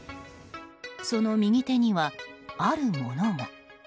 その右手にはあるものが。